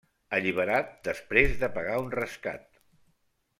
Alliberat després de pagar un rescat.